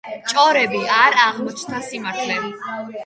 ჭორები არ აღმოჩნდა სიმართლე.